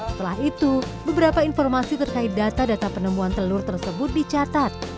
setelah itu beberapa informasi terkait data data penemuan telur tersebut dicatat